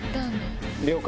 了解。